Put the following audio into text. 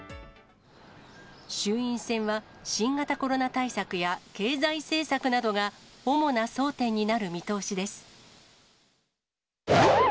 衆院選は新型コロナ対策や経済政策などが主な争点になる見通しです。